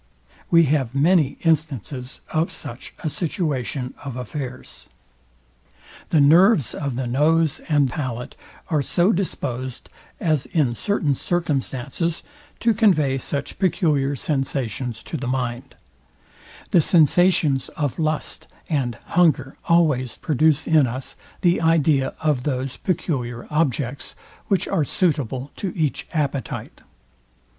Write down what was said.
We have many instances of such a situation of affairs. The nerves of the nose and palate are so disposed, as in certain circumstances to convey such peculiar sensations to the mind: The sensations of lust and hunger always produce in us the idea of those peculiar objects, which are suitable to each appetite.